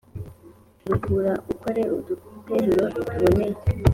Curukura ukore uduteruro tuboneye